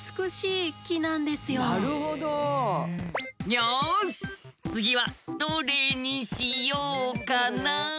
よし次はどれにしようかな？